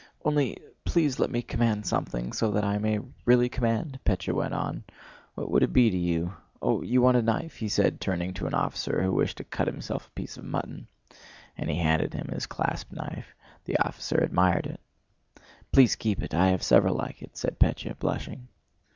"Only, please let me command something, so that I may really command..." Pétya went on. "What would it be to you?... Oh, you want a knife?" he said, turning to an officer who wished to cut himself a piece of mutton. And he handed him his clasp knife. The officer admired it. "Please keep it. I have several like it," said Pétya, blushing.